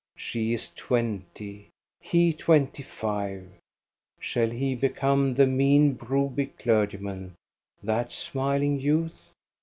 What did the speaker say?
She is twenty, he twenty five. Shall he be come the mean Broby clergyman, that smiling youth?